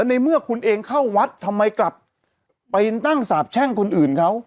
ในเมื่อคุณเองเข้าวัดทำไมกลับไปนั่งสาบแช่งคนอื่นเขา